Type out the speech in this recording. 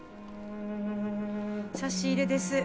差し入れです。